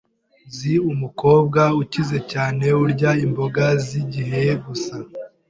Nzi umukobwa ukize cyane urya imboga zigihe gusa.